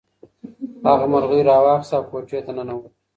هغه مرغۍ راواخیسته او کوټې ته ننووت.